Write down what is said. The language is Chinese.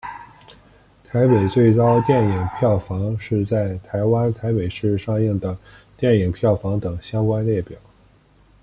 台北最高电影票房是在台湾台北市上映的电影票房等相关列表。